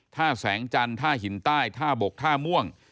ท่าแสงจันทร์ท่าหินใต้ท่าบกท่าม่วง